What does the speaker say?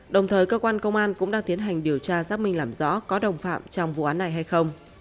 đồng thời cơ quan công an cũng đang tiến hành điều tra xác minh làm rõ có đồng phạm trong vụ án này hay không